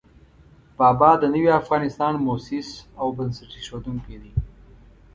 بابا د نوي افغانستان مؤسس او بنسټ اېښودونکی دی.